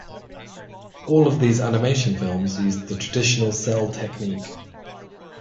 All of these animation films used the traditional cel technique.